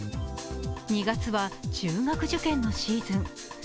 ２月は中学受験のシーズン。